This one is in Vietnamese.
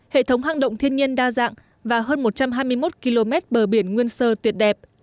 hệ thống hang động thiên nhiên đa dạng và hơn một trăm hai mươi một km bờ biển nguyên sơ tuyệt đẹp